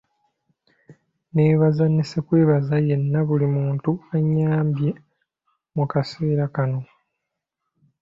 N'ebaza ne ssekwebaza yenna buli muntu anyambye mu kaseera kano